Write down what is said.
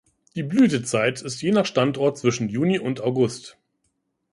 Die Blütezeit ist je nach Standort zwischen Juni und August.